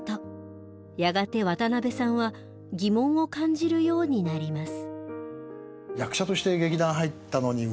やがて渡辺さんは疑問を感じるようになります。